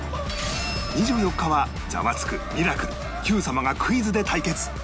２４日は『ザワつく！』『ミラクル』『Ｑ さま！！』がクイズで対決